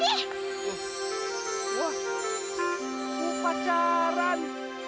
wah siapa yang suruh turun